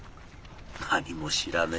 何も知らねえ。